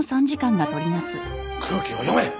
空気を読め！